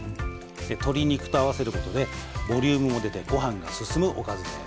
で鶏肉と合わせることでボリュームも出てごはんが進むおかずです。